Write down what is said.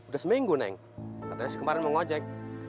udah seminggu neng katanya sekemarin mau ngojek